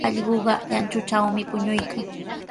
Allquqa llantutrawmi puñuykan.